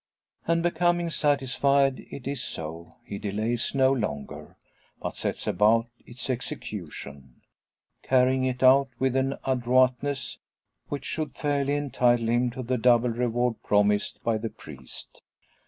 And, becoming satisfied it is so, he delays no longer, but sets about its execution carrying it out with an adroitness which should fairly entitle him to the double reward promised by the priest.